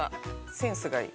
センスがいい。